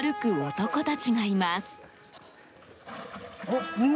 男たちがいます。